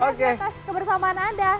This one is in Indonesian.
terima kasih atas kebersamaan anda